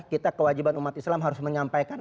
kita kewajiban umat islam harus menyampaikan